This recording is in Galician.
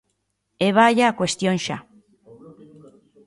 E vaia á cuestión xa.